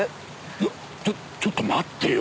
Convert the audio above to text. いやちょっと待ってよ！